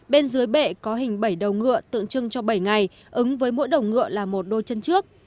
bên dưới bệ có hình bảy đầu ngựa tượng trưng cho bảy ngày ứng với mỗi đầu ngựa là một đôi chân trước